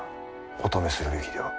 お止めするべきでは？